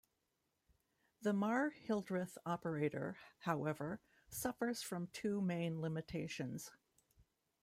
The Marr-Hildreth operator, however, suffers from two main limitations.